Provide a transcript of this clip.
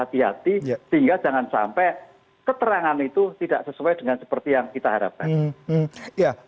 hati hati sehingga jangan sampai keterangan itu tidak sesuai dengan seperti yang kita harapkan